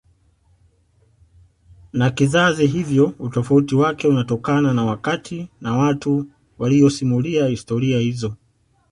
na kizazi hivyo utofauti wake unatokana na wakati na watu waliyosimulia historia hizo